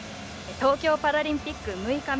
東京パラリンピック６日目。